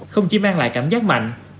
không chỉ mang lại cảm giác mạnh